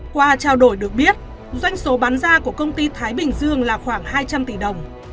qua trao đổi được biết doanh số bán ra của công ty thái bình dương là khoảng hai trăm linh tỷ đồng